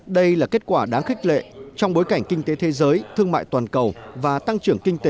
đây là kết quả đáng khích lệ trong bối cảnh kinh tế thế giới thương mại toàn cầu và tăng trưởng kinh tế